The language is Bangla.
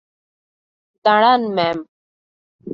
দাঁড়ান, ম্যাম।